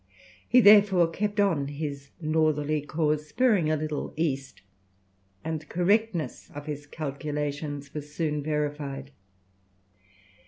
He, therefore, kept on his northerly course, bearing a little east, and the correctness of his calculations was soon verified.